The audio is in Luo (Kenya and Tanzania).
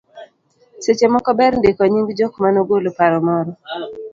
Seche moko ber ndiko nying jok manogolo paro moro